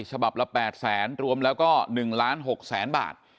ฉบับละ๗แสนรวมแล้วก็๖๐๐๐บาท